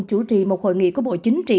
chủ trì một hội nghị của bộ chính trị